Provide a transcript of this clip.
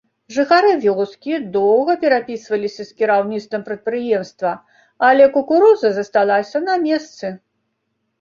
Жыхары вёскі доўга перапісваліся з кіраўніцтвам прадпрыемства, але кукуруза засталася на месцы.